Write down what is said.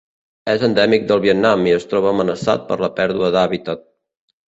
És endèmic del Vietnam i es troba amenaçat per la pèrdua d'hàbitat.